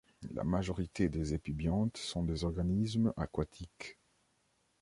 La majorité des épibiontes sont des organismes aquatiques.